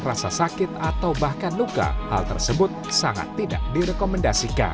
rasa sakit atau bahkan luka hal tersebut sangat tidak direkomendasikan